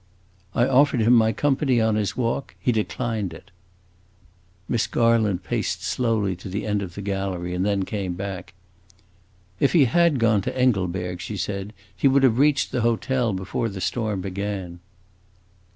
"I offered him my company on his walk. He declined it." Miss Garland paced slowly to the end of the gallery and then came back. "If he had gone to Engelberg," she said, "he would have reached the hotel before the storm began."